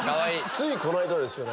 ついこの間ですよ。